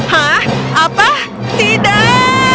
hah apa tidak